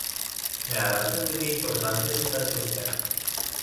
Ne arată cât de importante sunt acestea.